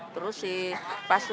terus pas saya tahu tanki itu ya